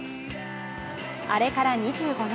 あれから２５年。